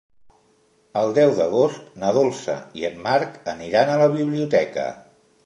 El deu d'agost na Dolça i en Marc aniran a la biblioteca.